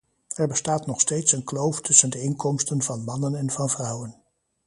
Er bestaat nog steeds een kloof tussen de inkomsten van mannen en van vrouwen.